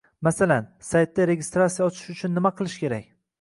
Masalan, Saytda registratsiya ochish uchun nima qilish kerak